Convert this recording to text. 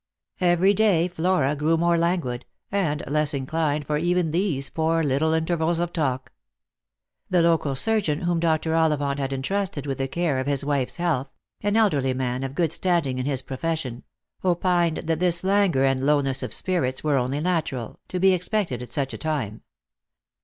Every day Flora grew more languid, and less inclined for even these poor little intervals of talk. The local surgeon whom Dr. Ollivant had intrusted with the care of his wife's health — an elderly man, of good standing in his profession — opined that this languor and lowness of spirits were only natural — to be expected at such a time.